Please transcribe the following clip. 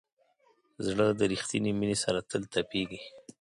زړه د ریښتینې مینې سره تل تپېږي.